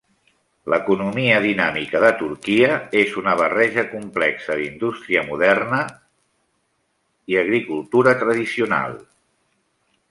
L'economia dinàmica de Turquia és una barreja complexa d'indústria moderna, agricultura tradicional.